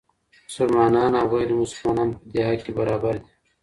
مسلمانان او غیر مسلمانان په دې حق کي برابر دي.